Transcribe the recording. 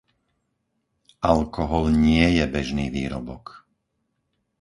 Alkohol nie je bežný výrobok.